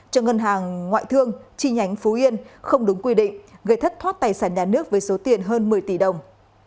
cho ngân hàng ngoại thương chi nhánh phú yên không đúng quy định gây thất thoát tài sản nhà nước với số tiền hơn một mươi tỷ đồng